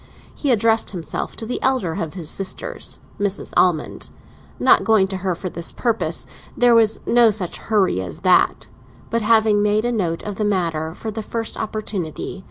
He addressed himself to the younger of his sisters, Mrs. Almond—not going to her for the purpose; there was no such hurry as that—but having made a note of the matter for the first opportunity.